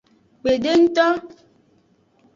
Kpedengto.